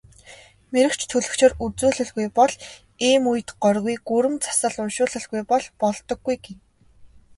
Мэргэч төлгөчөөр үзүүлэлгүй бол ийм үед горьгүй, гүрэм засал уншуулалгүй бол болдоггүй гэнэ.